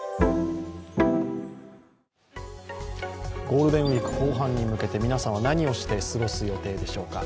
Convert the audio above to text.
ゴールデンウイーク後半に向けて皆さんは何をして過ごす予定でしょうか？